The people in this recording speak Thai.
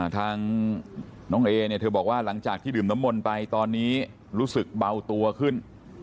ทางน้องเอเนี่ยเธอบอกว่าหลังจากที่ดื่มน้ำมนต์ไปตอนนี้รู้สึกเบาตัวขึ้น